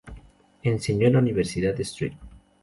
Enseñó en la Universidad de St.